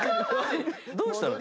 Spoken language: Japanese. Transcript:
どうしたの？